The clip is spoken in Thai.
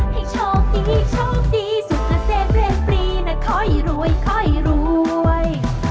ให้โชคดีโชคดีสุขเกษตรเรียนปรีนะค่อยรวยค่อยรวย